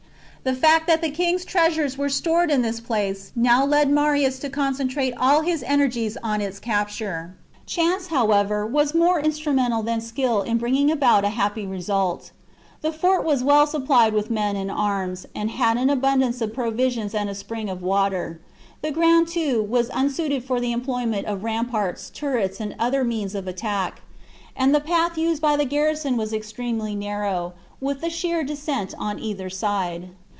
The fact that the king's treasures were stored in this place now led Marius to concentrate all his energies on its capture. Chance, however, was more instru mental than skill in bringing about a happy result. The fort was well supplied with men and arms, and had an abundance of provisions and a spring of water ; the ground, too, was unsuited for the employment of ramparts, turrets, and other means of attack ; and the path used by the garrison was extremely narrow, with a sheer descent on either side.